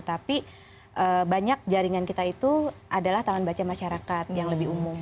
tapi banyak jaringan kita itu adalah taman baca masyarakat yang lebih umum